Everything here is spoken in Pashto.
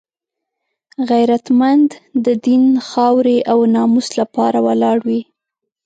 غیرتمند د دین، خاورې او ناموس لپاره ولاړ وي